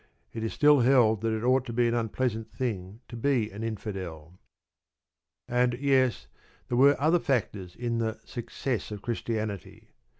It is still held that it ought to be an unpleasant thing to be an Infidel. And, yes, there were other factors in the "success" of Christianity.